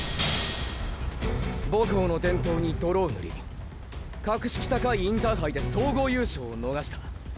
母校の伝統に泥を塗り格式高いインターハイで総合優勝を逃した。